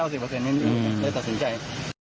ตาย๘๐๙๐นี่จะตัดสินใจ